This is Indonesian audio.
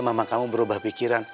mama kamu berubah pikiran